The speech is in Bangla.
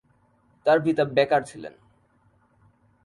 তার পিতা বেকার ছিলেন।